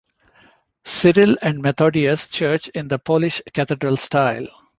Cyril and Methodius church in the Polish Cathedral style.